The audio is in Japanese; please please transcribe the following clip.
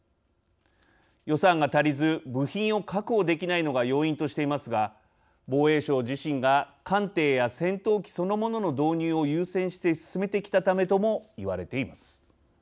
予算が足りず部品を確保できないのが要因としていますが防衛省自身が艦艇や戦闘機そのものの導入を優先して進めてきたためとも言われています。